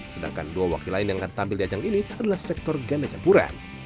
sedangkan dua wakil lain yang akan tampil di ajang ini adalah sektor ganda campuran